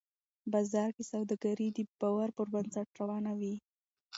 بازار کې سوداګري د باور پر بنسټ روانه وي